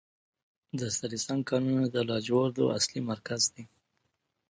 د سرسنګ کانونه د لاجوردو اصلي مرکز دی.